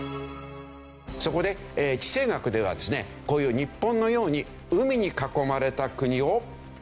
そこで地政学ではですねこういう日本のように海に囲まれた国を。